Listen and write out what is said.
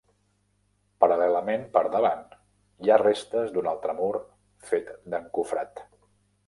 Paral·lelament per davant, hi ha restes d'un altre mur fet d'encofrat.